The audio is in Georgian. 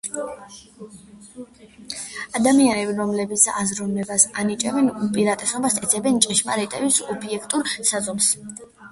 ადამიანები, რომლებიც აზროვნებას ანიჭებენ უპირატესობას, ეძებენ ჭეშმარიტების ობიექტურ საზომს.